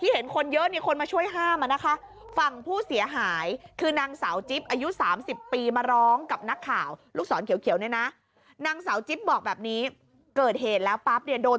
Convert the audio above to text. ห้าห้าห้าห้า